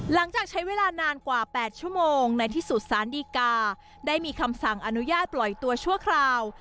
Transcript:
หลังจากใช้เวลานานกว่า๘ชั่วโมงในที่สุดสารดีกาได้มีคำสั่งอนุญาตปล่อยตัวชั่วคราว